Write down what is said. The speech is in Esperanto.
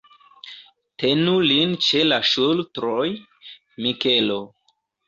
Tenu lin ĉe la ŝultroj, Mikelo.